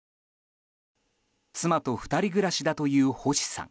妻と２人暮らしだという星さん。